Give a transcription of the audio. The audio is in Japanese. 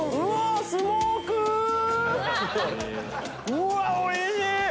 うわおいしい！